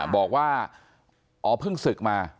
บอกว่าอ๋อเพิ่งศึกมา